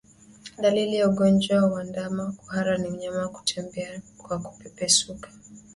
Dalili ya ugonjwa wa ndama kuhara ni mnyama kutembea kwa kupepesuka